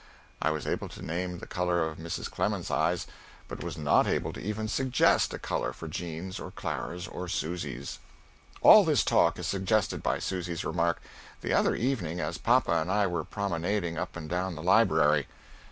I was able to name the color of Mrs. Clemens's eyes, but was not able to even suggest a color for Jean's, or Clara's, or Susy's. All this talk is suggested by Susy's remark: "The other evening as papa and I were promenading up and down the library."